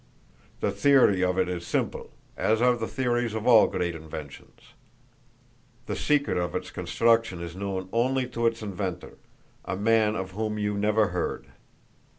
"The theory of it is simple, as are the theories of all great inventions; the secret of its construction is known only to its inventor a man of whom you never heard.